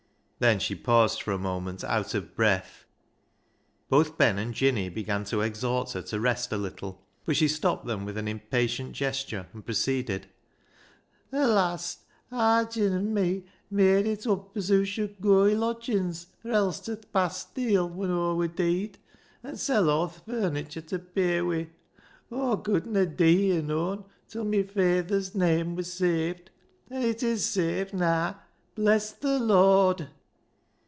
Then she paused for a moment, out of breath. Both Ben and Jinny began to exhort her to rest a little, but she stopped them with an impatient gesture and proceeded —" At last aar Jin an' me made it up as hoo should goa i' lodgings, or else to th' bastile, when Aw wur deead, an' sell aw^ th' furniture ta pay wi'. Aw couldna dee, yo' known, till mi fayther's name wur saved — an' it is saved naa. Bless th' Lord